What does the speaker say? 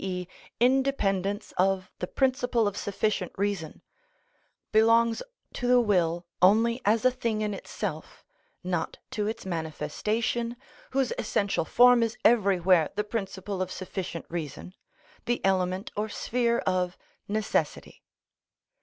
e._, independence of the principle of sufficient reason, belongs to the will only as a thing in itself, not to its manifestation, whose essential form is everywhere the principle of sufficient reason, the element or sphere of necessity.